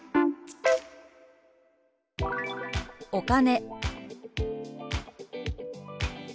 「お金」。